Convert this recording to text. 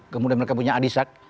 kemudian mereka punya adi sack